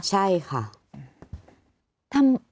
ใช่ค่ะ